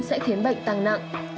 sẽ khiến bệnh tăng nặng